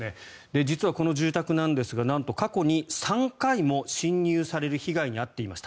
実はこの住宅なんですがなんと過去に３回も侵入される被害に遭っていました。